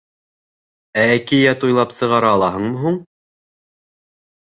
— Ә әкиәт уйлап сығара алаһыңмы һуң?